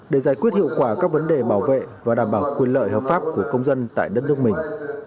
để giải quyết hiệu quả các vấn đề bảo vệ và đảm bảo quyền lợi hợp pháp của công dân tại đất nước mình